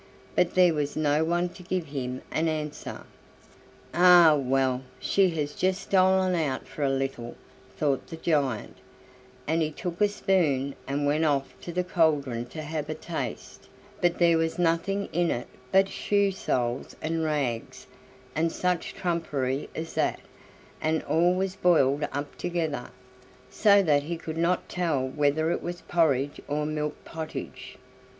But there was no one to give him an answer. "Ah! well, she has just stolen out for a little," thought the giant, and he took a spoon, and went off to the cauldron to have a taste; but there was nothing in it but shoe soles, and rags, and such trumpery as that, and all was boiled up together, so that he could not tell whether it was porridge or milk pottage.